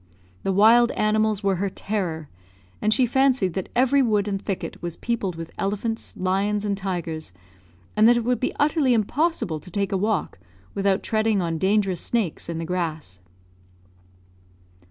The wild animals were her terror, and she fancied that every wood and thicket was peopled with elephants, lions, and tigers, and that it would be utterly impossible to take a walk without treading on dangerous snakes in the grass.